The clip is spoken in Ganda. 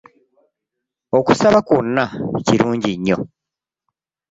Okusaba kwonna kulungi nnyo.